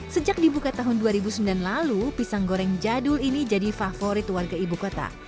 sejak dibuka tahun dua ribu sembilan lalu pisang goreng jadul ini jadi favorit warga ibu kota